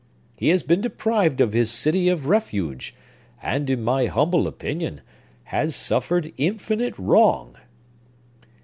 He has been deprived of his city of refuge, and, in my humble opinion, has suffered infinite wrong!"